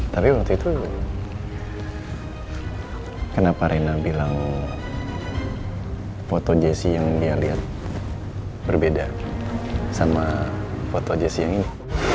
tapi waktu itu kenapa reina bilang foto jessi yang dia lihat berbeda sama foto jessi yang ini